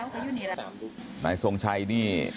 พ่อขอบคุณครับ